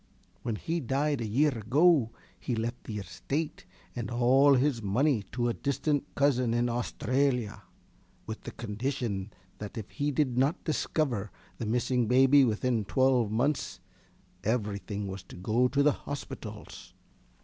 When he died a year ago he left the estate and all his money to a distant cousin in Australia, with the condition that if he did not discover the missing baby within twelve months everything was to go to the hospitals.